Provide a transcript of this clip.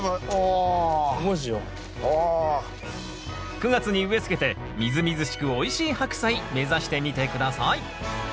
９月に植え付けてみずみずしくおいしいハクサイ目指してみて下さい！